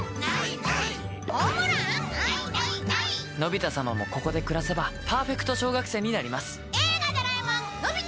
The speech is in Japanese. のび太様もここで暮らせばパーフェクト小学生になります。